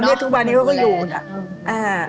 ตอนนี้ทุกวันนี้เขาก็อยู่น่ะ